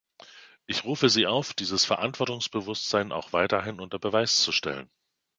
Ich rufe sie auf, dieses Verantwortungsbewusstsein auch weiterhin unter Beweis zu stellen.